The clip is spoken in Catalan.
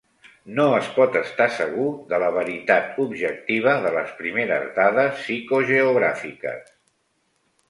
No es pot estar segur de la veritat objectiva de les primeres dades psicogeogràfiques.